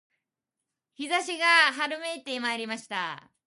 陽射しが春めいてまいりました